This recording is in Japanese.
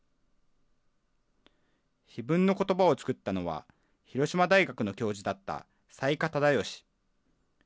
碑文のことばを作ったのは、広島大学の教授だった雑賀忠義。